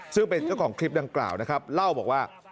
ซึ่งเป็นเจ้าของคลิปดังกล่าวนะครับเล่าบอกว่า